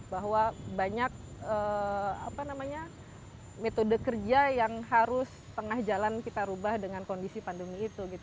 bahwa banyak metode kerja yang harus tengah jalan kita rubah dengan kondisi pandemi itu